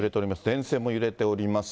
電線も揺れております。